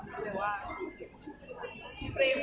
เดี๋ยวก็ไม่ได้มีอีกหลอกเฟียว